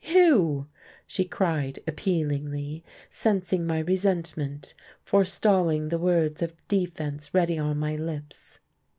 Hugh!" she cried appealingly, sensing my resentment, forestalling the words of defence ready on my lips.